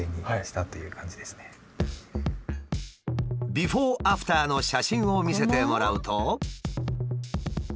ビフォーアフターの写真を見せてもらうと。